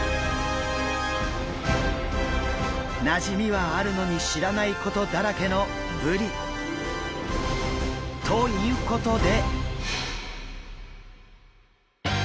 なじみはあるのに知らないことだらけのブリ。ということで。